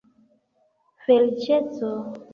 feliĉeco